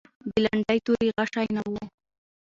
د لنډۍ توري غشی نه و.